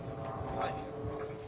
はい。